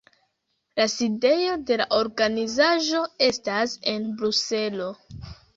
La sidejo de la organizaĵo estas en Bruselo.